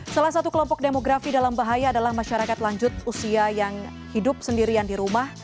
salah satu kelompok demografi dalam bahaya adalah masyarakat lanjut usia yang hidup sendirian di rumah